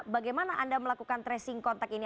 bagaimana anda melakukan tracing kontak ini